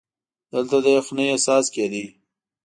دلته د یخنۍ احساس کېده.